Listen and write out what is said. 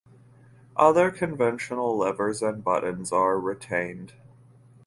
Other conventional levers and buttons are retained.